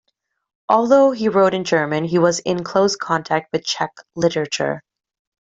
Although he wrote in German, he was in close contact with Czech literature.